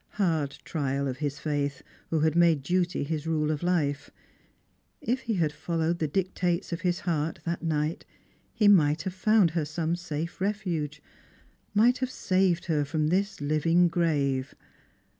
Hard trial of his faith, who had made duty his rule of life. If he had followed the dictates of his heart that night, he might have found her some safe refuge — might have saved her from this living grave.